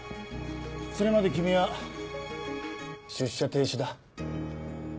それまで君は出社停止だ。